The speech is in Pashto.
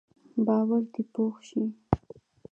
باور دې پوخ شي.